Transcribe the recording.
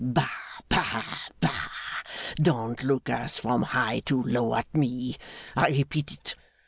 Bah, bah, bah, don't look as from high to low at me! I repeat it.